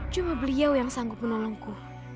cuma beliau yang sanggup menolongku